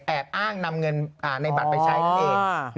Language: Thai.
แอบอ้างนำเงินในบัตรไปใช้เอง